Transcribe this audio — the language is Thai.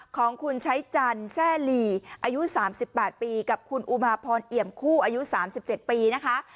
ของคุณชัยจันทร์แซ่หลีอายุสามสิบแปดปีกับคุณอุมาพรเหยียมคู่อายุสามสิบเจ็ดปีนะคะ